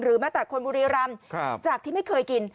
แม้แต่คนบุรีรำจากที่ไม่เคยกิน